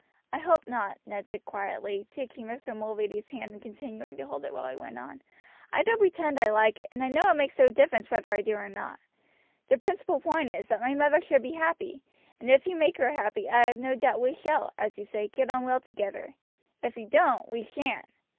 "I hope not," Ned said quietly, taking Mr. Mulready's hand and continuing to hold it while he went on: "I don't pretend I like it, and I know it makes no difference whether I do or not; the principal point is, that my mother should be happy, and if you make her happy I have no doubt we shall, as you say, get on well together; if you don't, we shan't."